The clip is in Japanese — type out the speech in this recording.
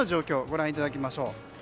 ご覧いただきましょう。